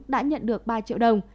đã nhận được ba triệu đồng